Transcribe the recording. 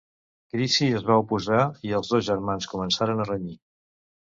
Chrissie es va oposar, i els dos germans començaren a renyir.